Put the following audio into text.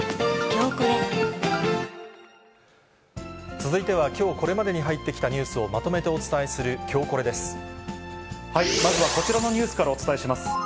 続いては、きょうこれまでに入ってきたニュースをまとめてお伝えする、まずはこちらのニュースからお伝えします。